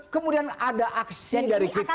kemudian ada aksi dari kita